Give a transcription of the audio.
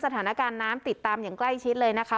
สถานการณ์น้ำติดตามอย่างใกล้ชิดเลยนะคะ